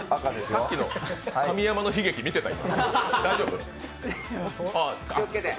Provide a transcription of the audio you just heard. さっきの神山の悲劇見てた？